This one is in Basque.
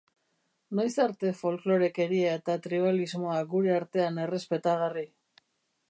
Noiz arte folklorekeria eta tribalismoa gure artean errespetagarri?